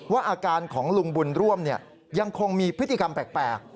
อาการของลุงบุญร่วมยังคงมีพฤติกรรมแปลก